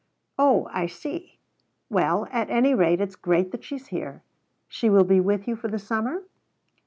"Oh, I see. Well, at any rate it's great that she's here. She will be with you for the summer?"